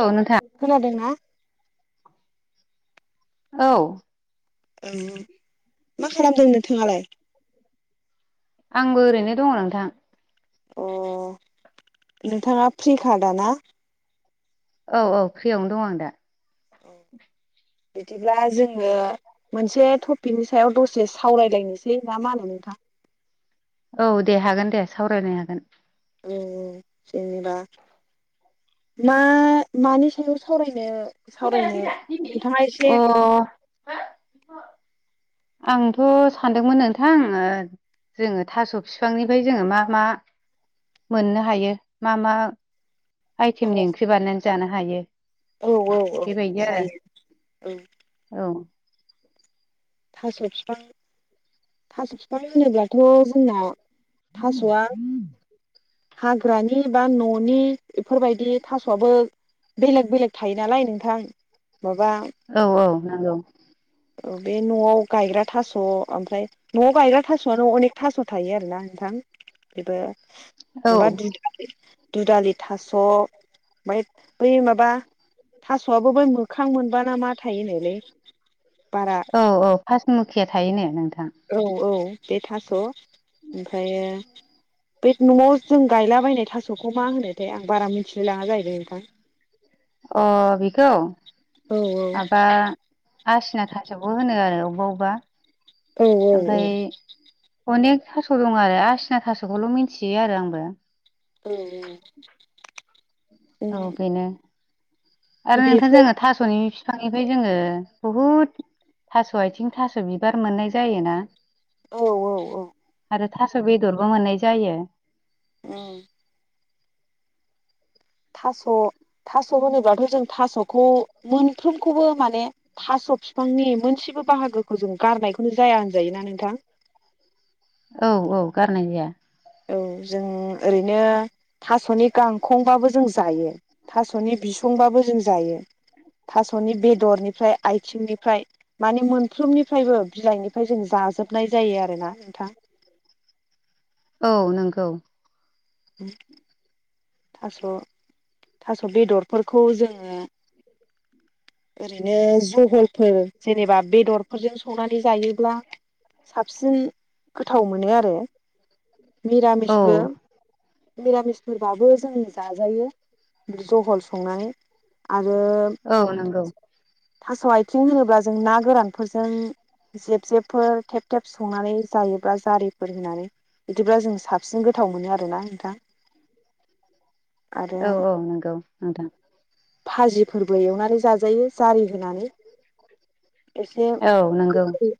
औ थां नोंथां खोनादों ना? औ औ औ मा खालामदों नोंथाङालाय? आंबो ओरैनो दङ नोंथां। अ' नोंथाङा फ्रि खादा ना? औ औ फ्रियावनो दं आं दा। बिदिब्ला जोङो मोनसे टपिकनि सायाव दसे सावरायलायनोसै ना मा होनो नोंथां? औ दे हागोन दे सावरायनो हागोन। औ औ जेनेबा मा मानि सायाव सावरायनो सावरायनो नोंथाङा अ एसे आंथ' सानदोंमोन नोंथां ओ जोङो थास' बिफांनिफाय जोङो मा मा मोननो हायो। मा मा औ आइटेमनि ओंख्रि बानायनानै जानो हायो। औ औ औ बेबायदि आरो जायो औ औ थास' फिफां थास' फिफां होनोब्लाथ' जोंना थास'आ हाग्रानि बा न'नि इफोरबायदि थास'आबो बेलेग बेलेग थायो नालाय नोंथां। माबा नांगौ। औ बे न'आव गायग्रा थास' ओमफ्राय न'आव गायग्रा थास'आनो अनेक थास' थायो आरोना नोंथां। बेबो औ बा दुदा दुधालि थास' मायद बै माबा थास'आबो बै मो खां मोनबाना मा थायोनोलै बारा पासमुखिया थायोनो नोंथां। औ औ बे थास' ओमफ्रायो बै न'आव जों गायलाबायनाय थास'खौ मा होनोथायाय? आं बारा मिथिनो लाङा जाहैबाय नोंथां। अ बिखौ औ औ आसिना थासयावबो होनो आरो अबेबा औ अबेबा औ ओमफ्राय अनेक थास' दं आरो आसिना थास'खौल' मिन्थियो आरो आंबो औ औ औ [unintelligible] बेनो आरो नोंथां बेफोर जोङो थास'नि बिफांनिफ्राय जोङो बहुद थास' आथिं थास' बिबार मोननाय जायोना। औ औ औ आरो थास' बेदरबो मोननाय जायो। उम थास' थास' होनोबाथ' जों थास'खौ मोनफ्रोमखौबो माने थास' सब बिफांनि मोनसेबो बाहागोखौ जों गारनायखौनो जाया होनजायोना नोंथां। औ औ गारनाय जाया। औ जों ओरैनो थास'नि गांखंबाबो जों जायो थास'नि बिसंबाबो जों जायो। थास'नि बेदरनिफ्राय आथिंनिफ्राय मानि मोनफ्रोमनिफ्रायबो बिलाइनिफ्राय जों जा जाजोबनाय जायो आरोना नोंथां औ नंगौ उम थास' थास' बेदरफोरखौ जोङो ओरैनो जहलफोर जेनेबा बेदरफोरजों संनानै जायोब्ला साबसिन गोथाव मोनो आरो औ मिरामिसबो मिरामिसफोरबाबो जोंनि जाजायो जहल संनानै आर औ नंगौ थास' आथिं होनोब्ला जों ना गोरानफोरजों जेब जेबफोर थेब थेब संनानै जायोब्ला जारिफोर होनानै बिदिब्ला जों साबसिन गोथाव मोनो आरोना नोंथां औ औ नंगौ नोंथां फाजिफोरबो एवनानै जाजायो जारि होनानै। ऐसे औ नंगौ गोखै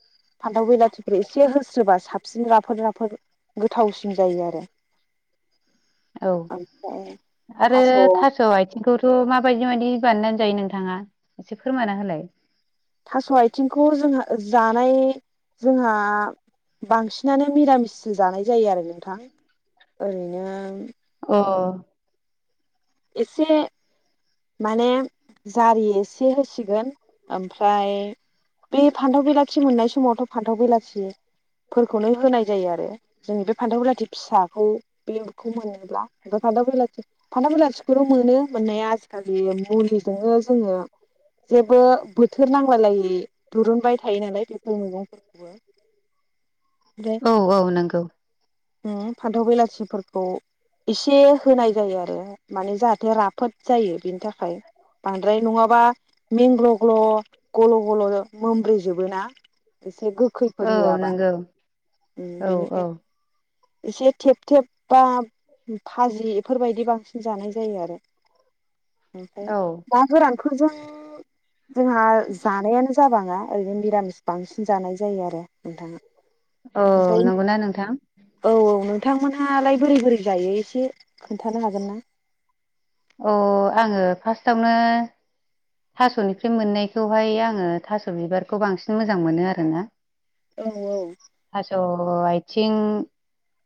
फान्थाव बेलाथिफोर एसे होस्रोबा साबसिन राफोद राफोद गोथावसिन जायो आरो औ ओमफ्राय [inaudible] आरो थास' आथिंखौथ' माबायदि मायदि बानायनानै जायो नोंथाङा एसे फोरमाना होलाय? थास' आथिंखौ जोंहा जानाय जोंहा बांसिनानो निरामिस जानाय जायो आरो नोंथां। ओरैनो अ एसे माने जारि एसे होसिगोन ओमफ्राय बे फान्थाव बिलाथि मोननाय समावथ' फान्थाव बेलाथि फोरखौनो होनाय जायो आरो जोंनि बे फान्थावलाथि फिसाखौ बे उखौ मोनोब्ला बे फानथाव बेलाथि फानथाव बेलाथि बे मोनो मोननाया आजिखालि मुलिजोंनो जोङो जेबो बोथोर नांबलायै दुरुनबाय थायो नालाय बेफोर मैगंफोरखौबो। औ औ नंगौ। उम फान्थाव बेलासिफोरखौ एसे होनाय जायो आरो। माने जाहाथे राफोद जायो बिनि थाखाय बांद्राय नङाबा मेंग्ल' ग्ल' गल' गल' मोनब्रैजोबो ना। एसे गोखैफोर औ होआबा, नंगौ उम औ औ बेनिखायनो एसे थेब थेब बा फाजि बेफोरबायदि बांसिन जानाय जायो आरो ओमफ्राय औ ना गोरानखौजों। जोंहा जानायानो जाबाङा ओरैनो निरामिस बांसिन जानाय जायो आरो नोंथां। औ ओमफ्राय नंगौना नोंथां औ औनों। थांमोनहालाय बोरै बोरै जायो एसे खोन्थानो हागोन ना? अ आङो फार्स्टावनो। थास'निफ्राय मोननायखौहाय आङो थास' बिबारखौ बांसिन मोजां मोनो आरोना। औ औ। अ आइथिं।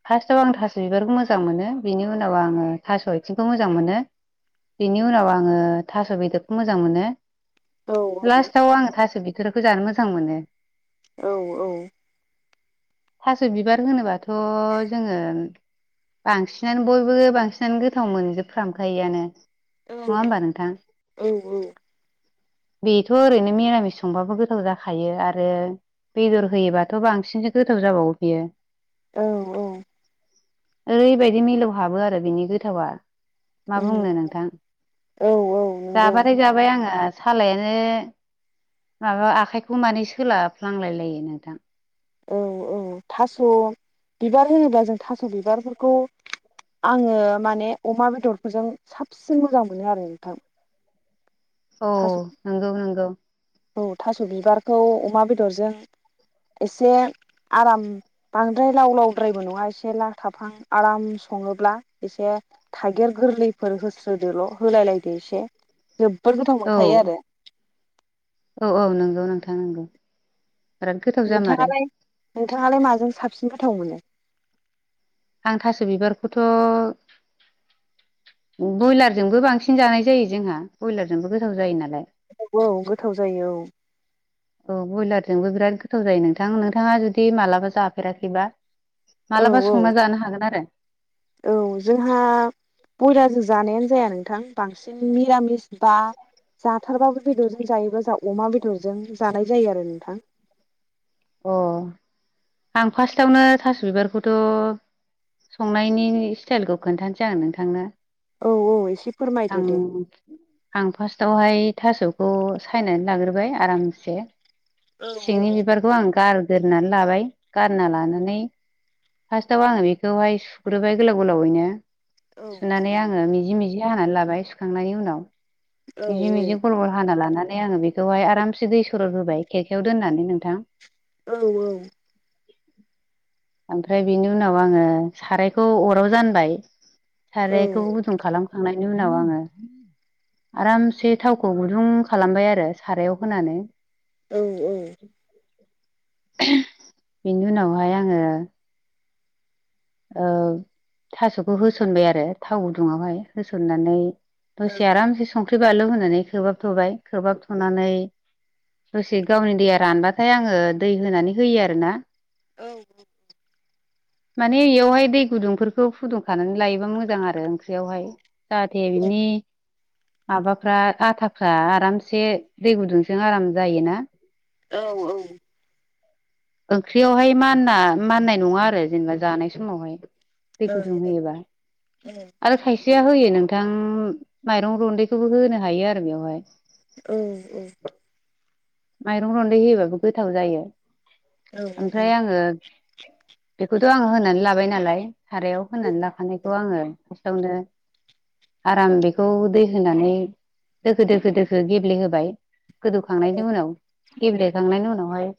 फार्स्टआव आं थास' बिबारखौ मोजां मोनो बिनि उनाव आङो थास' आथिंखौ मोजां मोनो। बिनि उनाव आङो थास' बेदरखौ मोज जां मोनो औ लास्टआव आङो थास' बिथोरखौ जानो मोजां मोनो। औ औ। थास' बिबार होनोबाथ' जोङो। बांसिनानो बयबो बांसिनानो गोथाव मोनजोबफ्रामखायआानो। औ औ औ। बेथ' ओरैनो मिरामि संबाबो गोथाव जाखायो आरो बेदर होयोबाथ' बांसिनसो गोथाव जाबावो बियो। औ औ। ओरैबायदि मिलौ हाबो आरो बिनि गोथावा। मा बुंनो नोंथां औ औ नंगौ जाबा थाय आङो सालायानो माबा आखाइखौ माने सोलाफ्लांलाय लायो नोंथां औ औ थास' बिबार होनोबा जों थास' बिबारफोरखौ आङो माने अमा बेदरफोरजों साबसिन मोजां मोनो आरो नोंथां। औ थास' नंगौ नंगौ। औ थास' बिबारखौ अमा बेदरजों एसे आराम बांद्राय लाव लावद्रायबो नङा एसे ला थाफां आराम सङोब्ला एसे थागिर गोरलैफोर होस्रोदोल' होलायलायदो एसे जोब बोर गोथाव औ मोनखायो आरो। औ औ नंगौ नोंथां नंगौ बिराद गोथाव जामारो। नोंथाङालाय नोंथाङालाय माजों साबसिन गोथाव मोनो? आं थास' बिबारखौथ' बयलारजोंबो बांसिन जानाय जायो जोंहा बयलारजोंबो गोथाव जायो नालाय। औ गोथाव जायो औ। औ बयलारजोंबो बिराद गोथाव जायो नोंथां नोंथाङा जुदि मालाबा जाफेराखैबा औ मालाबा संना औ जानो हागोन आरो। औ जोंहा बयलााजों जानायानो जाया नोंथां बांसिन मिरामिस बा जाथारबाबो बेदरजों जायोबा अमा बेदरजों जानाय जायो आरो नोंथां। अ आं फार्स्टावनो थास' बिबारखौथ' संनायनि स्टाइलखौ खोन्थानोासै आागोन नोंथांनो। औ औ एसे फोरमायदो दे आं आं फार्स्टावहाय थास'खौ सायनानै लाग्रोबाय आरामसे औ औ। खौ आं गारगोरोननानै लाबाय गारना लानानै फार्स्टाव आङो बेखौहाय सुग्रोबाय गोलाव गोलावैनो औ सुनानै आङो मिजि मिजि हानानै लाबाय सुखांनायनि उनाव। औ मिजि मिजि गलबल हाना लानानै आङो बेखौहाय आरामसे दै सर' होबाय खेरखायाव दोननानै नोंथां। औ औ। ओमफ्राय बेनि उनाव आङो सारायखौ अराव जानबाय औ सारायखौ गुदुं खालामखांनायनि उनाव आङो आरामसे थावखौ गुदुं खालामबाय आरो सारायाव होनानै। औ औ। बेनि उनावहाय आङो ओ थास'खौ होस'नबाय आरो थाव गुदुङावहाय होस'ननानै दसे आरामसे संख्रि बानलु होनानै खोबहाबथ'बाय खोबहाबथ'नानै दसे गावनि दैया रानबाथाय आङो दै होनानै होयो आरो ना। औ। माने इयावहाय दै गुदुंफोरखौ फुदुंखानानै लायोबा मोजां आरो ओंख्रियावहाय। जाहाथे बिनि माबाफ्रा आथाफ्रा आरामसे दै गुदुंजों आराम जायो ना। औ औ। ओंख्रियावहाय मानना माननाय नङा आरो जेनेबा जानाय समावहाय। दै गुदुं होयोबा। आरो खायसेया होयो नोंथां माइरं रन्दैखौबो होनो हायो आरो बेवहाय। औ औ। माइरं रन्दै होयोबाबो गोथाव जायो। औ ओमफ्राय आङो बेखौ थ' आङो होनानै लाबाय नालाय सारायाव होनानै लाखानायखौ आङो फार्स्टावनो आराम बेखौ दै होनानै दोखो दोखो दोखो गेब्लेहोबाय गोदौखांनायनि उनाव। गेब्लेखांनायनि उनावहाय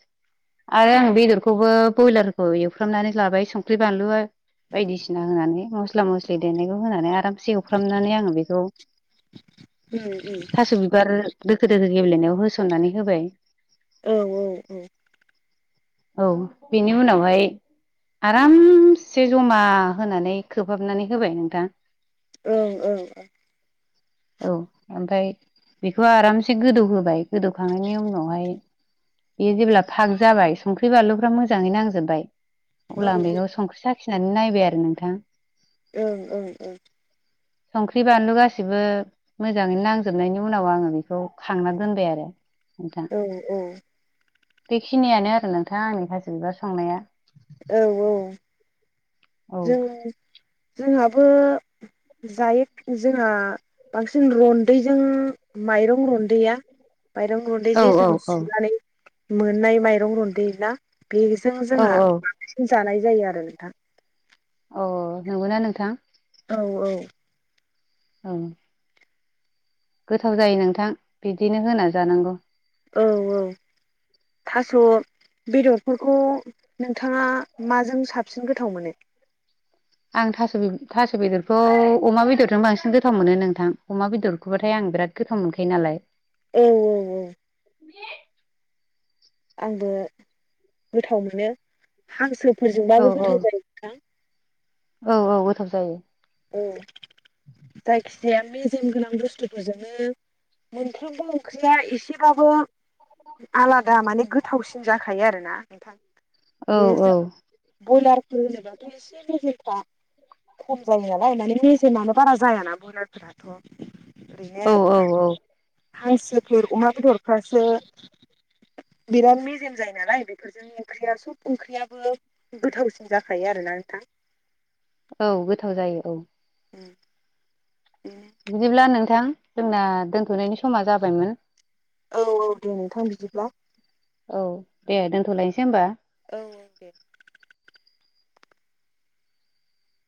आरो आं बेदरखौबो बयलारखौ एवफ्रामनानै लाबाय संख्रि बानलु आ बायदिसिना होनानै मस्ला मस्लि देनायखौ होनानै आराम से एवफ्रामनानै आङो बेखौ थास' बिबार दोखो दोखो गेेब्लेनायाव होस'ननानै होबाय। औ औ औ। औ बेनि उनावहाय आरामसे जमा होनानै खोबहाबनानै होबाय नोंथां। ओं औ औ। औ ओमफ्राय बेखौ आरामसे गोदौ होबाय। गोदौखांनायनि उनाव फाय बे जेब्ला फाग जाबाय संख्रि बानलुफ्रा मोजाङै नांजोबबाय अब्ला आं बेखौ संख्रि साखिनानै नायबाय आरो नोंथां। ओं ओं ओं। संख्रि बानलु गासिबो मोजाङैनो नांजोबनायनि उनाव आङो बेखौ खांना दोनबाय आरो। नोंथां। ओ औ। बेखिनियानो आरो नोंथां आंनि थास' बिबार संनाया। औ औ। औ जों-जोंहाबो जायो जोंहा बांसिन रन्दैजों माइरं रन्दैया माइरं रन्दै औ जे औ जों सुनानै मोननाय माइरं रुन्दै ना बेजों औ जोंहा औ बांसिन जानाय जायो आरो नोंथां। अ नंगौना नोंथां? औ औ। औ। गोथाव जायो नोंथां बिदिनो होना जानांगौ। औ औ थास' बेदरफोरखौ नोंथाङा माजों साबसिन गोथाव मोनो? आं थास' थास' बेदरखौ अमा बेदरजों बांसिन गोथाव मोनो नोंथां अमा बेदरखौबाथाय आं बिराद गोथाव मोनखायो नालाय औ औ आंबो गोथाव मोनो औ हांसोफोरजोंबाबो औ गोथाव जायो नोंथां औ औ गोथाव जायो औ [inaudible] जाया मेजेम गोनां बुस्थुफोरजोंनो मोनफ्रोमबो ओंख्रिया एसेबाबो आलादा माने गोथावसिन जाखायो आरोना नोंथां औ बे ज बयलारफोर होनोबाथ' एसे मेजेफ्रा खम जायो नालाय मेने मेजेमानो बारा जायाना बयलारफोराथ' ओरैनो औ औ औ हांसोफोर अमा बेदरफ्रासो बिराद मेजेम जायो नालाय बेफोरजों ओंख्रिया सब ओंख्रियाबो गोथावसिन जाखायो आरो जथा [unintelligible] औ गोथाव जायो औ बेनो बिदिब्ला नोंथां जोंना दोन्थ'नायनि समा जाबायमोन औ औ दे नोंथां बिदिब्ला औ दे दोनथ'लायनोसै होमबा औ औ दे